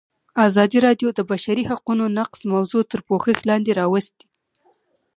ازادي راډیو د د بشري حقونو نقض موضوع تر پوښښ لاندې راوستې.